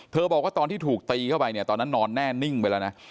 บอกว่าตอนที่ถูกตีเข้าไปเนี่ยตอนนั้นนอนแน่นิ่งไปแล้วนะ